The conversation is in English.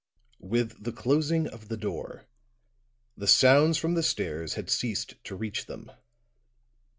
With the closing of the door, the sounds from the stairs had ceased to reach them.